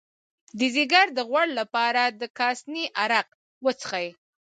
د ځیګر د غوړ لپاره د کاسني عرق وڅښئ